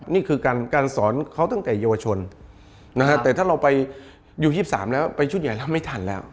นี่คือการสอนเขาตั้งแต่เยาวชนนะฮะแต่ถ้าเราไปอยู่๒๓แล้วไปชุดใหญ่แล้วไม่ทันแล้ว